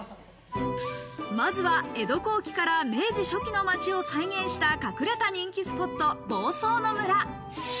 まずは江戸後期から明治初期の街を再現した隠れた人気スポット房総のむら。